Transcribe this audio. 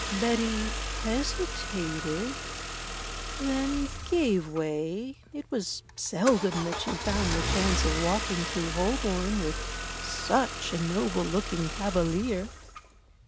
Betty hesitated, then gave way. It was seldom that she found the chance of walking through Holborn with such a noble looking cavalier.